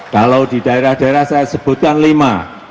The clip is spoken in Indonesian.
kalau di daerah daerah saya sebutkan lima